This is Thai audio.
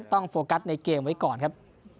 โฟกัสในเกมไว้ก่อนครับ